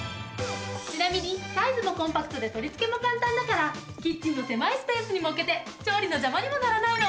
ちなみにサイズもコンパクトで取り付けも簡単だからキッチンの狭いスペースにも置けて調理の邪魔にもならないの！